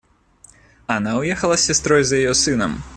Она уехала с сестрой за ее сыном.